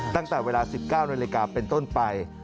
ตั้งแต่เวลา๑๙นเป็นต้นไป